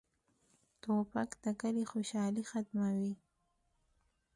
توپک د کلي خوشالي ختموي.